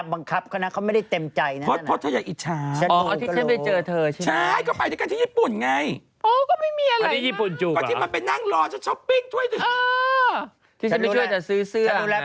มถดับเคลียร์ให้ชัดเจนว่าพาบที่ปรากฏทั้งหมดแปลว่าอะไร